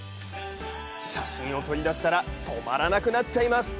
写真を撮りだしたら止まらなくなっちゃいます！